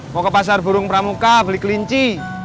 mau ke pasar burung pramuka beli kelinci